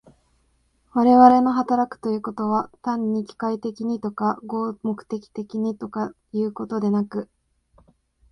我々の働くということは、単に機械的にとか合目的的にとかいうことでなく、